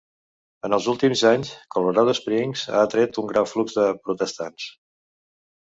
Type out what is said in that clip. En els últims anys, Colorado Springs ha atret un gran flux de protestants.